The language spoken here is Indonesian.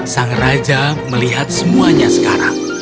sang raja melihat semuanya sekarang